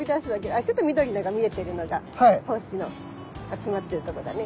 あっちょっと緑のが見えてるのが胞子の集まってるとこだね。